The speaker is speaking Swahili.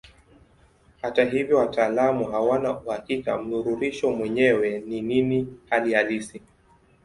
Hata hivyo wataalamu hawana uhakika mnururisho mwenyewe ni nini hali halisi.